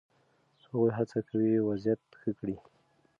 هغوی هڅه کوي وضعیت ښه کړي.